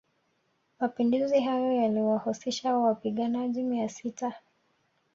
Mapinduzi hayo yaliwahusisha wapaiganaji mia sita